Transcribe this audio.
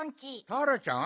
ターラちゃん？